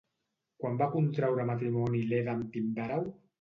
Quan va contraure matrimoni Leda amb Tindàreu?